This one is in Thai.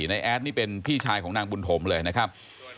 นายแอดนี่เป็นพี่ชายของนางบุญถมเลยนะครับ